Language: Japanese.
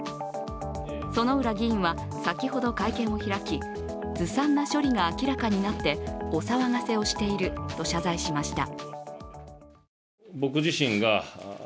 薗浦議員は先ほど会見を開き、ずさんな処理が明らかになってお騒がせをしていると謝罪しました。